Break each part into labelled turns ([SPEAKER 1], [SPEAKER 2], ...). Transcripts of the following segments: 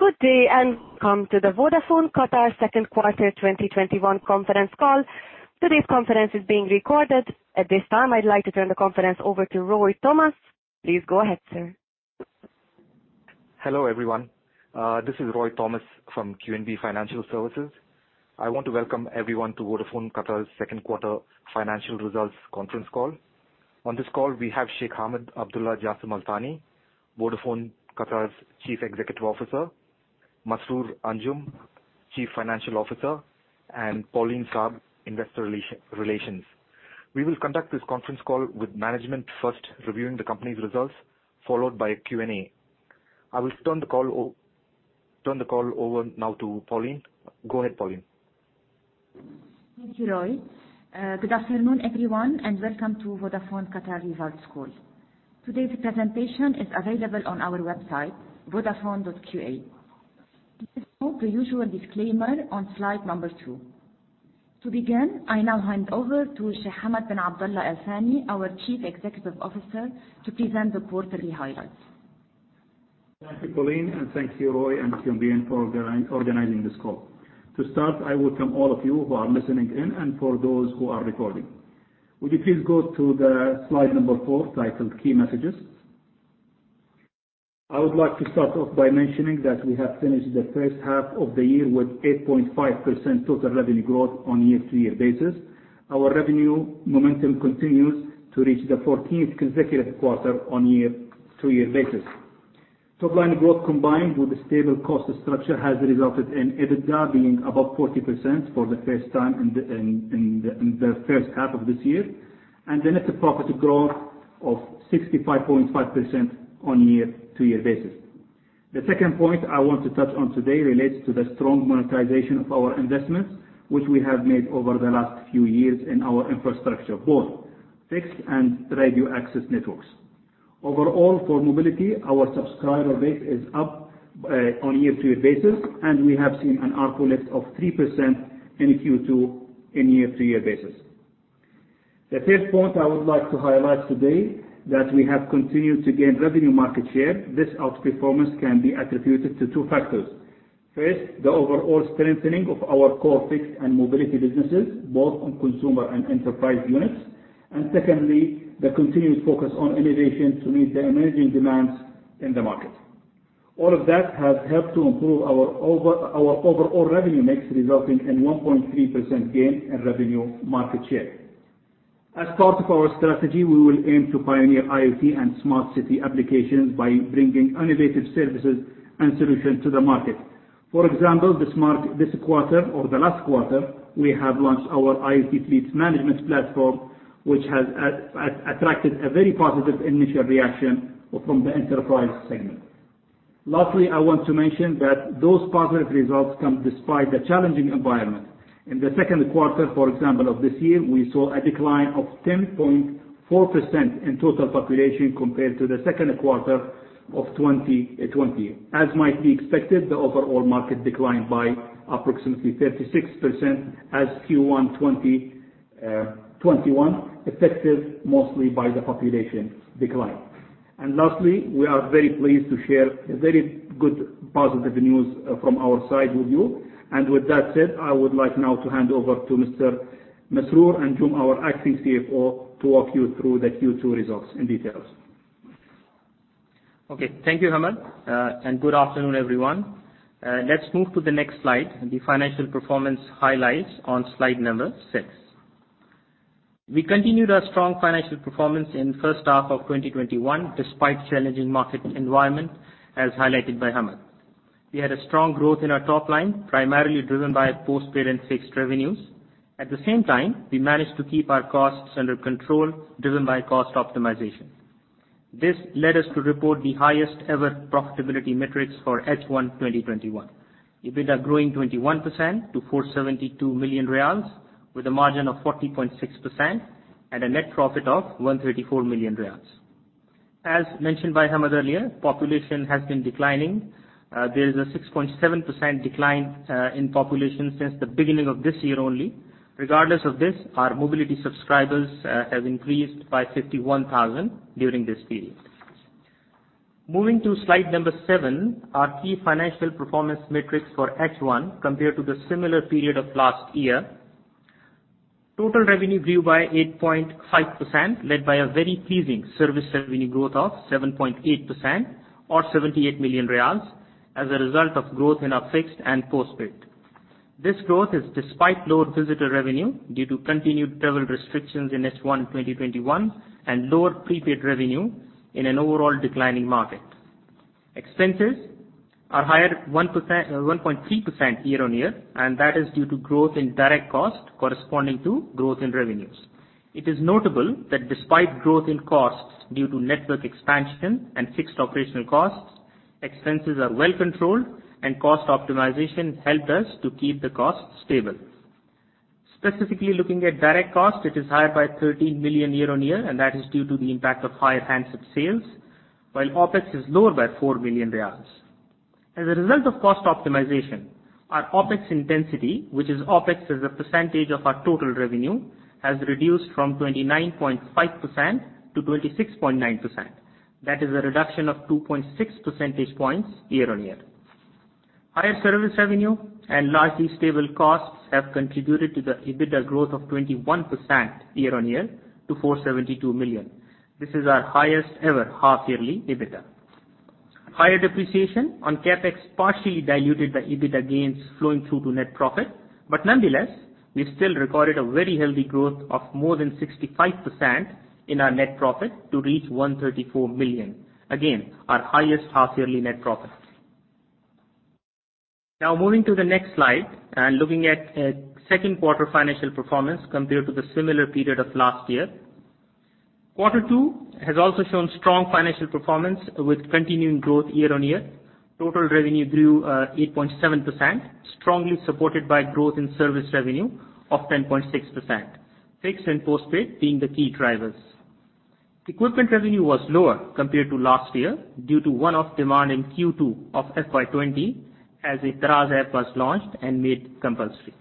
[SPEAKER 1] Good day, welcome to the Vodafone Qatar second quarter 2021 conference call. Today's conference is being recorded. At this time, I'd like to turn the conference over to Roy Thomas. Please go ahead, sir.
[SPEAKER 2] Hello, everyone. This is Roy Thomas from QNB Financial Services. I want to welcome everyone to Vodafone Qatar's second quarter financial results conference call. On this call, we have Sheikh Hamad bin Abdullah Jassim Al-Thani, Vodafone Qatar's Chief Executive Officer, Masroor Anjum, Chief Financial Officer, and Pauline Saab, Investor Relations. We will conduct this conference call with management first reviewing the company's results, followed by a Q&A. I will turn the call over now to Pauline. Go ahead, Pauline.
[SPEAKER 3] Thank you, Roy. Good afternoon, everyone, and welcome to Vodafone Qatar results call. Today's presentation is available on our website, vodafone.qa. Let's go to the usual disclaimer on slide number two. To begin, I now hand over to Sheikh Hamad bin Abdullah Al-Thani, our Chief Executive Officer, to present the quarterly highlights.
[SPEAKER 4] Thank you, Pauline, and thank you, Roy and Julian for organizing this call. To start, I welcome all of you who are listening in and for those who are recording. Would you please go to the slide number four titled Key Messages. I would like to start off by mentioning that we have finished the first half of the year with 8.5% total revenue growth on a year-to-year basis. Our revenue momentum continues to reach the 14th consecutive quarter on a year-to-year basis. Top-line growth combined with a stable cost structure has resulted in EBITDA being above 40% for the first time in the first half of this year, and a net profit growth of 65.5% on a year-to-year basis. The second point I want to touch on today relates to the strong monetization of our investments, which we have made over the last few years in our infrastructure, both fixed and radio access networks. Overall, for mobility, our subscriber base is up on a year-to-year basis, and we have seen an ARPU lift of 3% in Q2 on year-to-year basis. The third point I would like to highlight today that we have continued to gain revenue market share. This outperformance can be attributed to two factors. First, the overall strengthening of our core fixed and mobility businesses, both on consumer and enterprise units. Secondly, the continued focus on innovation to meet the emerging demands in the market. All of that has helped to improve our overall revenue mix, resulting in 1.3% gain in revenue market share. As part of our strategy, we will aim to pioneer IoT and smart city applications by bringing innovative services and solutions to the market. For example, this quarter or the last quarter, we have launched our IoT fleet management platform, which has attracted a very positive initial reaction from the enterprise segment. Lastly, I want to mention that those positive results come despite the challenging environment. In the second quarter, for example, of this year, we saw a decline of 10.4% in total population compared to the second quarter of 2020. As might be expected, the overall market declined by approximately 36% in Q1 2021, affected mostly by the population decline. Lastly, we are very pleased to share very good, positive news from our side with you. With that said, I would like now to hand over to Mr. Masroor Anjum, our acting CFO, to walk you through the Q2 results in details.
[SPEAKER 5] Okay. Thank you, Hamad, and good afternoon, everyone. Let's move to the next slide, the financial performance highlights on slide number six. We continued our strong financial performance in first half of 2021 despite challenging market environment, as highlighted by Hamad. We had a strong growth in our top line, primarily driven by post-paid and fixed revenues. At the same time, we managed to keep our costs under control, driven by cost optimization. This led us to report the highest ever profitability metrics for H1 2021. EBITDA growing 21% to QAR 472 million with a margin of 40.6% and a net profit of QAR 134 million. As mentioned by Hamad earlier, population has been declining. There is a 6.7% decline in population since the beginning of this year only. Regardless of this, our mobility subscribers have increased by 51,000 during this period. Moving to slide number seven, our key financial performance metrics for H1 compared to the similar period of last year. Total revenue grew by 8.5%, led by a very pleasing service revenue growth of 7.8% or 78 million riyals as a result of growth in our fixed and postpaid. This growth is despite lower visitor revenue due to continued travel restrictions in H1 2021 and lower prepaid revenue in an overall declining market. Expenses are higher 1.3% year-on-year, that is due to growth in direct cost corresponding to growth in revenues. It is notable that despite growth in costs due to network expansion and fixed operational costs, expenses are well controlled and cost optimization helped us to keep the cost stable. Specifically looking at direct cost, it is higher by 13 million year-on-year, and that is due to the impact of higher handset sales, while OpEx is lower by QAR 4 million. As a result of cost optimization, our OpEx intensity, which is OpEx as a percentage of our total revenue, has reduced from 29.5% to 26.9%. That is a reduction of 2.6 percentage points year-on-year. Higher service revenue and largely stable costs have contributed to the EBITDA growth of 21% year-on-year to 472 million. This is our highest ever half yearly EBITDA. Higher depreciation on CapEx partially diluted by EBITDA gains flowing through to net profit, but nonetheless, we still recorded a very healthy growth of more than 65% in our net profit to reach 134 million. Again, our highest half yearly net profit. Now moving to the next slide and looking at Q2 financial performance compared to the similar period of last year. Q2 has also shown strong financial performance with continuing growth year-on-year. Total revenue grew 8.7%, strongly supported by growth in service revenue of 10.6%, fixed and postpaid being the key drivers. Equipment revenue was lower compared to last year due to one-off demand in Q2 of FY 2020, as the Ehteraz was launched and made compulsory.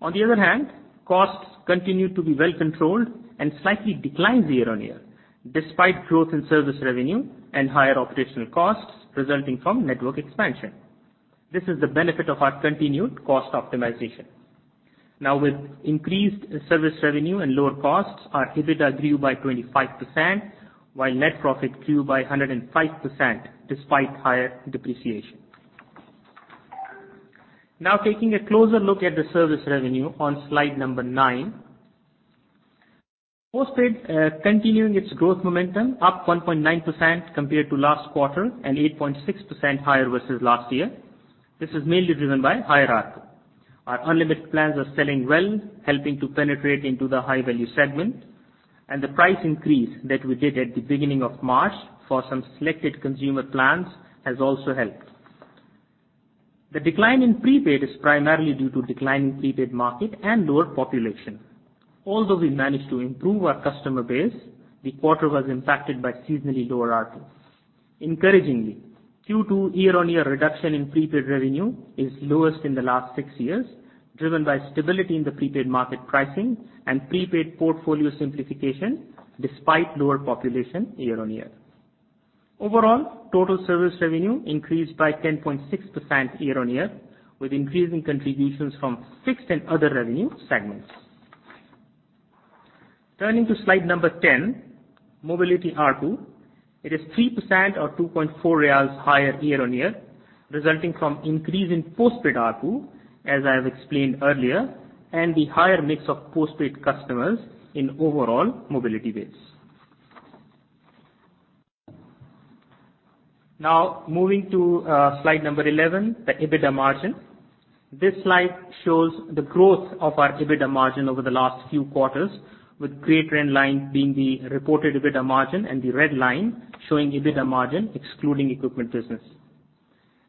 [SPEAKER 5] On the other hand, costs continued to be well controlled and slightly declined year-on-year, despite growth in service revenue and higher operational costs resulting from network expansion. This is the benefit of our continued cost optimization. With increased service revenue and lower costs, our EBITDA grew by 25%, while net profit grew by 105%, despite higher depreciation. Taking a closer look at the service revenue on slide number nine. Postpaid continuing its growth momentum up 1.9% compared to last quarter and 8.6% higher versus last year. This is mainly driven by higher ARPU. Our unlimited plans are selling well, helping to penetrate into the high-value segment. The price increase that we did at the beginning of March for some selected consumer plans has also helped. The decline in prepaid is primarily due to declining prepaid market and lower population. Although we managed to improve our customer base, the quarter was impacted by seasonally lower ARPU. Encouragingly, Q2 year-on-year reduction in prepaid revenue is lowest in the last six years, driven by stability in the prepaid market pricing and prepaid portfolio simplification despite lower population year-on-year. Overall, total service revenue increased by 10.6% year-on-year, with increasing contributions from fixed and other revenue segments. Turning to slide number 10, mobility ARPU. It is 3% or QAR 2.4 higher year-on-year, resulting from increase in postpaid ARPU, as I've explained earlier, and the higher mix of postpaid customers in overall mobility base. Moving to slide 11, the EBITDA margin. This slide shows the growth of our EBITDA margin over the last few quarters, with gray trendline being the reported EBITDA margin and the red line showing EBITDA margin excluding equipment business.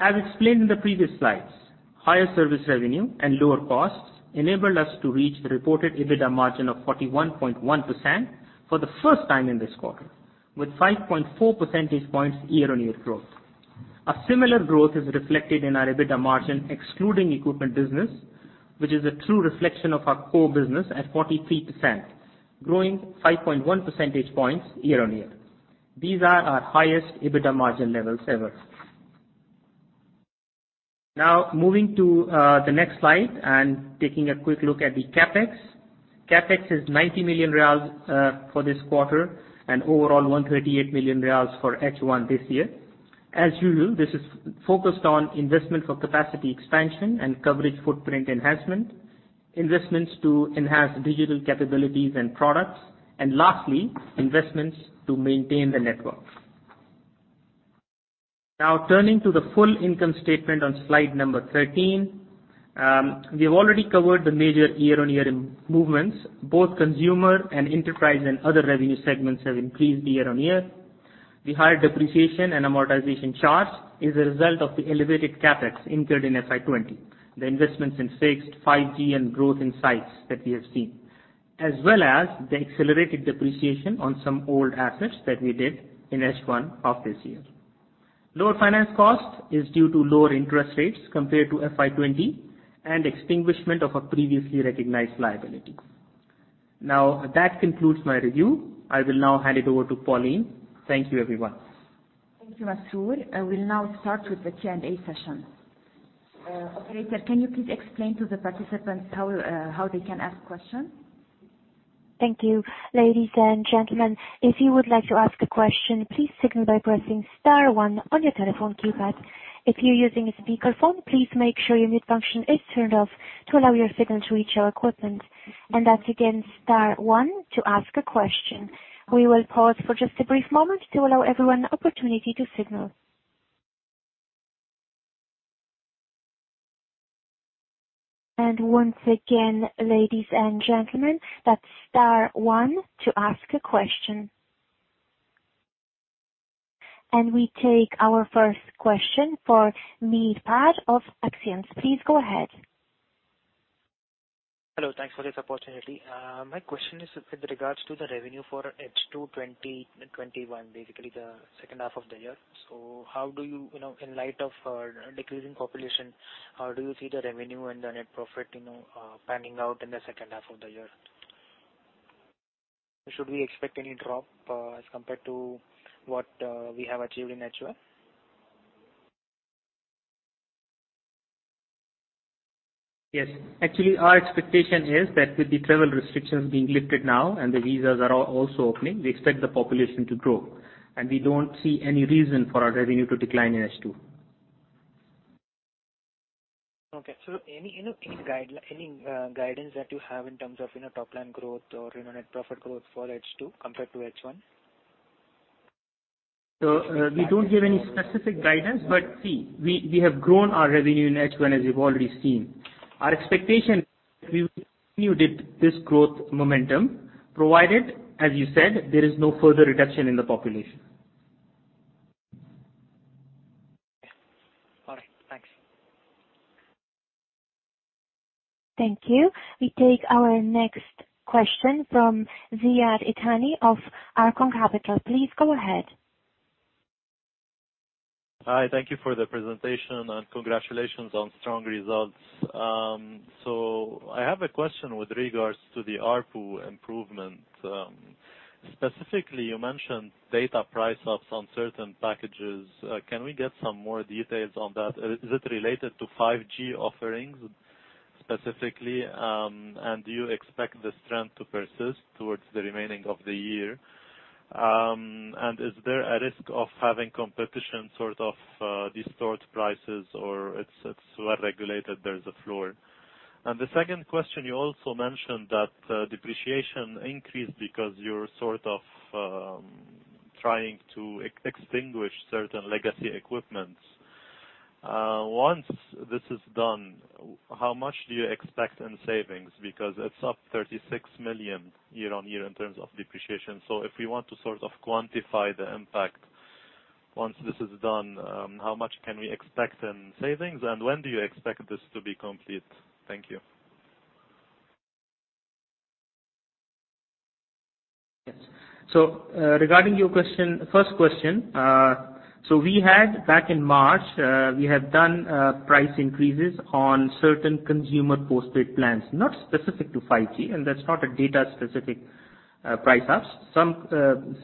[SPEAKER 5] As explained in the previous slides, higher service revenue and lower costs enabled us to reach the reported EBITDA margin of 41.1% for the first time in this quarter, with 5.4 percentage points year-on-year growth. A similar growth is reflected in our EBITDA margin excluding equipment business, which is a true reflection of our core business at 43%, growing 5.1 percentage points year-on-year. These are our highest EBITDA margin levels ever. Moving to the next slide and taking a quick look at the CapEx. CapEx is QAR 90 million for this quarter and overall QAR 138 million for H1 this year. As usual, this is focused on investments of capacity expansion and coverage footprint enhancement, investments to enhance digital capabilities and products, and lastly, investments to maintain the network. Turning to the full income statement on slide number 13. We have already covered the major year-on-year movements. Both consumer and enterprise and other revenue segments have increased year-on-year. The higher depreciation and amortization charge is a result of the elevated CapEx incurred in FY20. The investments in fixed 5G and growth in sites that we have seen, as well as the accelerated depreciation on some old assets that we did in H1 of this year. Lower finance cost is due to lower interest rates compared to FY 2020 and extinguishment of a previously recognized liability. That concludes my review. I will now hand it over to Pauline. Thank you, everyone.
[SPEAKER 3] Thank you, Masroor. We'll now start with the Q&A session. Operator, can you please explain to the participants how they can ask questions?
[SPEAKER 1] Thank you. Ladies and gentlemen, if you would like to ask a question, please signal by pressing star one on your telephone keypad. If you're using a speakerphone, please make sure mute function is turned off to allow your signal to reach our equipment. That's again, star one to ask a question. We will pause for just a brief moment to allow everyone opportunity to signal. Once again, ladies and gentlemen, that's star one to ask a question. We take our first question for Neel Pal of Action. Please go ahead.
[SPEAKER 6] Hello, thanks for the opportunity. My question is with regards to the revenue for H2 2021, basically the second half of the year. In light of our decreasing population, how do you see the revenue and the net profit panning out in the second half of the year? Should we expect any drop as compared to what we have achieved in H1?
[SPEAKER 5] Yes. Actually, our expectation is that with the travel restrictions being lifted now and the visas are also opening, we expect the population to grow, and we don't see any reason for our revenue to decline in H2.
[SPEAKER 6] Okay. Any guidance that you have in terms of top-line growth or net profit growth for H2 compared to H1?
[SPEAKER 5] We don't give any specific guidance, but see, we have grown our revenue in H1 as you've already seen. Our expectation is that we will continue with this growth momentum, provided, as you said, there is no further reduction in the population.
[SPEAKER 6] Okay. All right. Thanks.
[SPEAKER 1] Thank you. We take our next question from Ziad Itani of Arqaam Capital. Please go ahead.
[SPEAKER 7] Hi. Thank you for the presentation, and congratulations on strong results. I have a question with regards to the ARPU improvement. Specifically, you mentioned data price ups on certain packages. Can we get some more details on that? Is it related to 5G offerings specifically? Do you expect the strength to persist towards the remaining of the year? Is there a risk of having competition sort of distort prices? It is well-regulated, there is a floor. The second question, you also mentioned that depreciation increased because you're sort of trying to extinguish certain legacy equipment. Once this is done, how much do you expect in savings? Because it is up 36 million year-on-year in terms of depreciation. If you want to quantify the impact, once this is done, how much can we expect in savings, and when do you expect this to be complete? Thank you.
[SPEAKER 5] Yes. Regarding your first question, back in March, we had done price increases on certain consumer postpaid plans, not specific to 5G, and that's not a data-specific price up. Some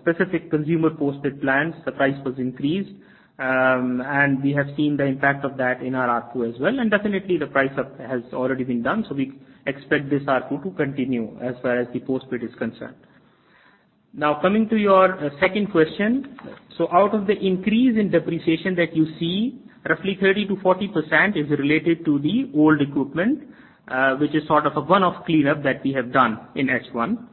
[SPEAKER 5] specific consumer postpaid plans, the price was increased, and we have seen the impact of that in our ARPU as well. Definitely the price up has already been done, we expect this ARPU to continue as far as the postpaid is concerned. Coming to your second question. Out of the increase in depreciation that you see, roughly 30%-40% is related to the old equipment, which is sort of a one-off cleanup that we have done in H1.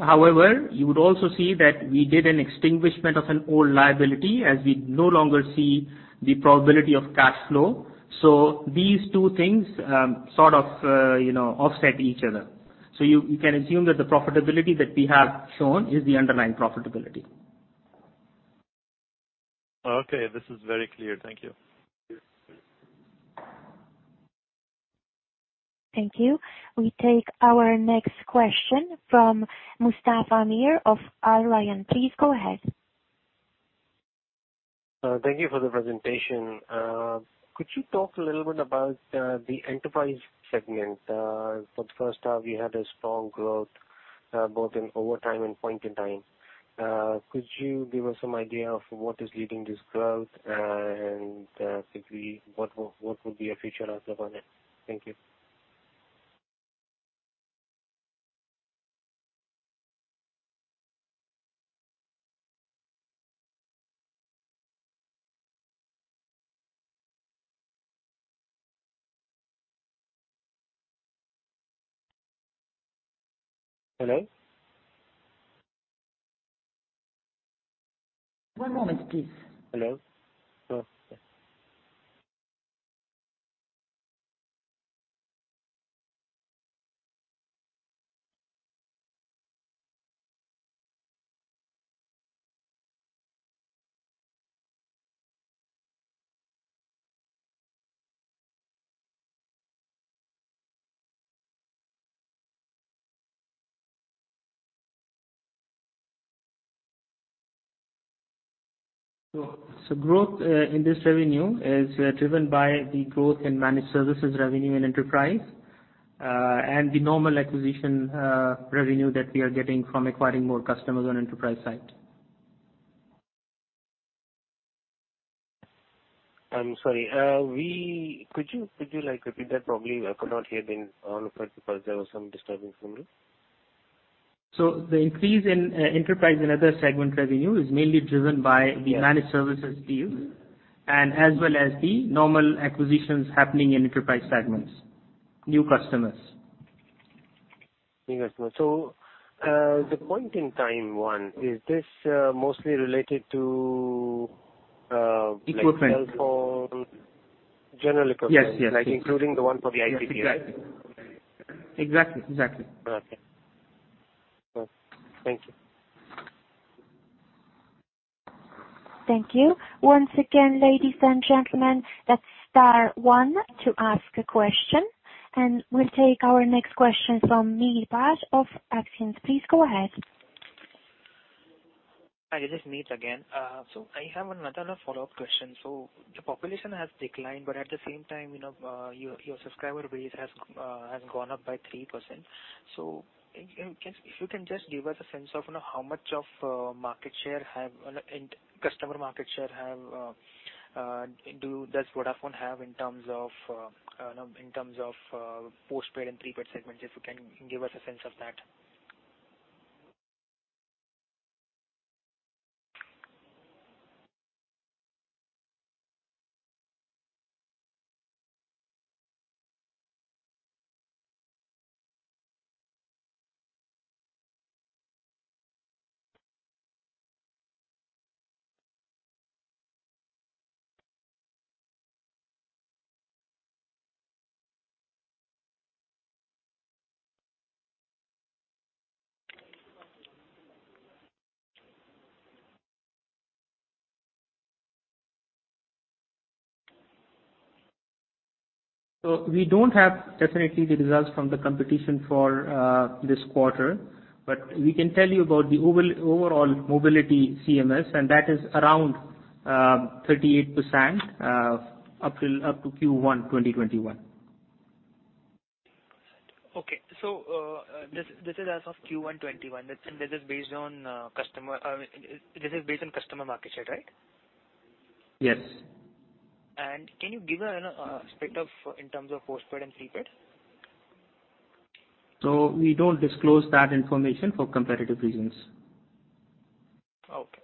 [SPEAKER 5] However, you would also see that we did an extinguishment of an old liability as we no longer see the probability of cash flow. These two things sort of offset each other. You can assume that the profitability that we have shown is the underlying profitability.
[SPEAKER 7] Okay. This is very clear. Thank you.
[SPEAKER 1] Thank you. We take our next question from Mustafa Amir of AL Lion. Please go ahead.
[SPEAKER 8] Thank you for the presentation. Could you talk a little bit about the enterprise segment? For the first half, you had a strong growth both in over time and point in time. Could you give us some idea of what is leading this growth, and basically what would be your future outlook on it? Thank you. Hello?
[SPEAKER 1] One moment, please.
[SPEAKER 8] Hello? Hello?
[SPEAKER 5] Growth in this revenue is driven by the growth in managed services revenue in enterprise, and the normal acquisition revenue that we are getting from acquiring more customers on enterprise side.
[SPEAKER 8] I'm sorry. Could you repeat that for me? I could not hear the entire answer or some disturbing for me.
[SPEAKER 5] The increase in enterprise and other segment revenue is mainly driven by the managed services team and as well as the normal acquisitions happening in enterprise segments. New customers.
[SPEAKER 8] Thank you so much. The point-in-time one, is this mostly related?
[SPEAKER 5] Equipment
[SPEAKER 8] Cell phone, General equipment
[SPEAKER 5] Yes.
[SPEAKER 8] Including the one for the IoT as well?
[SPEAKER 5] Exactly.
[SPEAKER 8] Okay. Thank you.
[SPEAKER 1] Thank you. Once again, ladies and gentlemen, that's star one to ask a question. We'll take our next question from Neel Pal of Action. Please go ahead.
[SPEAKER 6] Hi, this is Neel again. I have another follow-up question. The population has declined, but at the same time, your subscriber base has gone up by 3%. If you can just give us a sense of how much of customer market share does Vodafone have in terms of post-paid and pre-paid segments, if you can give us a sense of that.
[SPEAKER 5] We don't have definitely the results from the competition for this quarter, but we can tell you about the overall mobility CMS, and that is around 38% up to Q1 2021.
[SPEAKER 6] Okay. This is as of Q1 2021. This is based on customer market share, right?
[SPEAKER 5] Yes.
[SPEAKER 6] Can you give a split in terms of post-paid and pre-paid?
[SPEAKER 5] No, we don't disclose that information for competitive reasons.
[SPEAKER 6] Okay.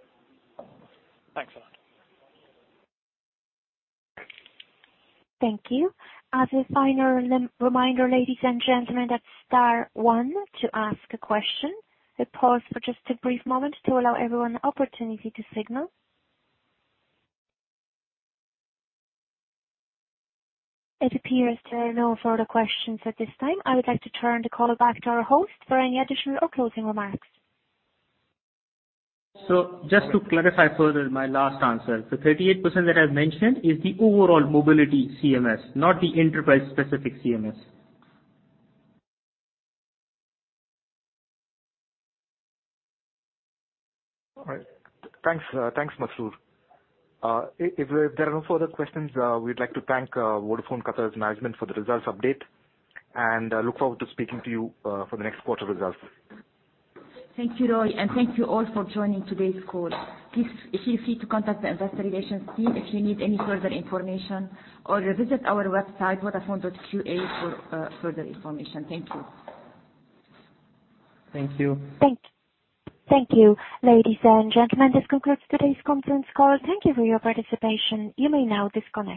[SPEAKER 6] Thanks a lot.
[SPEAKER 1] Thank you. As a final reminder, ladies and gentlemen, that is star one to ask a question. We will pause for just a brief moment to allow everyone an opportunity to signal. It appears there are no further questions at this time. I would like to turn the call back to our host for any additional closing remarks.
[SPEAKER 5] Just to clarify further my last answer, the 38% that I've mentioned is the overall mobility CMS, not the enterprise specific CMS.
[SPEAKER 2] All right. Thanks, Masroor. If there are no further questions, we'd like to thank Vodafone Qatar's management for the results update, and I look forward to speaking to you for the next quarter results.
[SPEAKER 3] Thank you, Roy. Thank you all for joining today's call. Please feel free to contact the investor relations team if you need any further information or visit our website, vodafone.qa for further information. Thank you.
[SPEAKER 5] Thank you.
[SPEAKER 1] Thank you. Ladies and gentlemen, this concludes today's conference call. Thank you for your participation. You may now disconnect.